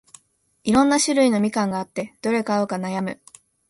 いろんな種類のみかんがあって、どれ買うか悩む